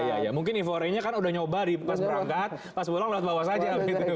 iya mungkin ivor nya kan sudah nyoba pas berangkat pas pulang lewat bawah saja